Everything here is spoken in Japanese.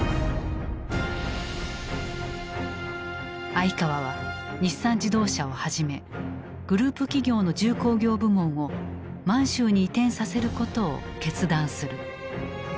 鮎川は日産自動車をはじめグループ企業の重工業部門を満州に移転させることを決断する。